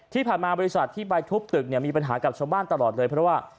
บริษัทที่ไปทุบตึกเนี่ยมีปัญหากับชาวบ้านตลอดเลยเพราะว่า